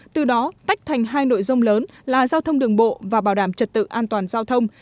từ đó tách thành hai nội dung lớn là giao thông đường bộ và bảo đảm trật tự an toàn giao thông